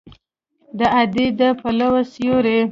د ادې د پلو سیوری